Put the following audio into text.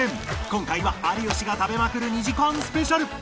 今回は有吉が食べまくる２時間スペシャル